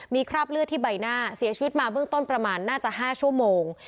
มีคราบเลือดที่ใบหน้าเสียชีวิตมาเบื้องต้นประมาณน่าจะ๕ชั่วโมง